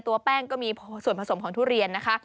ตัวแป้งก็มีส่วนผสมของทุเรียนนะคะ